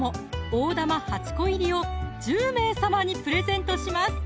大玉８個入を１０名様にプレゼントします